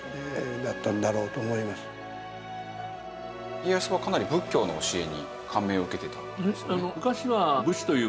家康はかなり仏教の教えに感銘を受けてたんですね。